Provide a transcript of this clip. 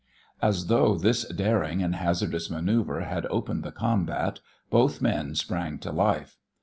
As though this daring and hazardous manoeuvre had opened the combat, both men sprang to life.